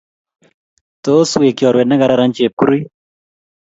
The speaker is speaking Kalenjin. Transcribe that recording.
Tos weg chorwet ne kararan Chepkirui.